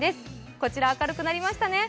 こちら明るくなりましたね。